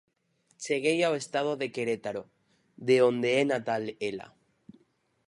Cheguei ao estado de Querétaro, de onde é natal ela.